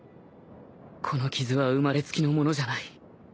この傷は生まれつきのものじゃない